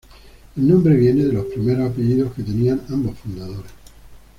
El nombre viene de los primeros apellidos que tenían ambos fundadores.